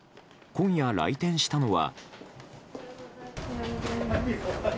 今夜、来店したのは。